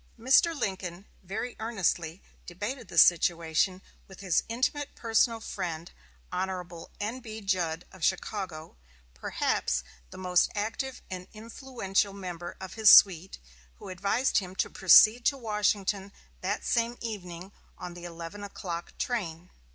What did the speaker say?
Mr. Lincoln very earnestly debated the situation with his intimate personal friend, Hon. N.B. Judd of Chicago, perhaps the most active and influential member of his suite, who advised him to proceed to Washington that same evening on the eleven o'clock train.